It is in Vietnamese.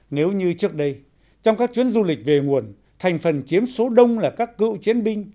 nếu như trước đây trong các chuyến du lịch về nguồn thành phần chiếm số đông là các cựu chiến binh